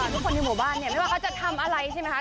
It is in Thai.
ทุกคนในหมู่บ้านเนี่ยไม่ว่าเขาจะทำอะไรใช่ไหมคะ